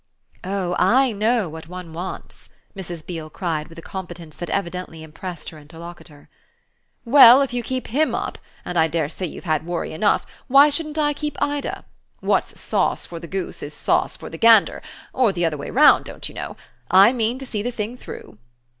"Oh I know what one wants!" Mrs. Beale cried with a competence that evidently impressed her interlocutor. "Well, if you keep HIM up and I dare say you've had worry enough why shouldn't I keep Ida? What's sauce for the goose is sauce for the gander or the other way round, don't you know? I mean to see the thing through."